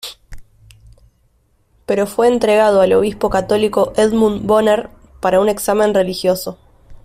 Pero fue entregado al obispo católico Edmund Bonner para un examen religioso.